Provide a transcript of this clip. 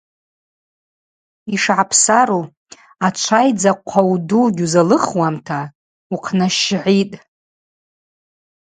Йшгӏапсару – ачвайдза хъвауду гьузалыхуамта ухънащгӏитӏ.